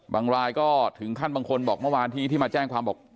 รายก็ถึงขั้นบางคนบอกเมื่อวานที่มาแจ้งความบอก